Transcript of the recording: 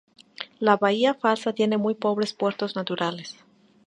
La Bahía Falsa tiene muy pobres puertos naturales.